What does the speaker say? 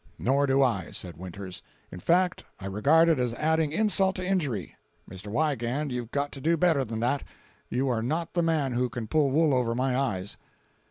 "Nor do I," said Winters; "in fact, I regard it as adding insult to injury. Mr. Wiegand you've got to do better than that. You are not the man who can pull wool over my eyes."